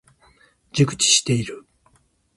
熟知している。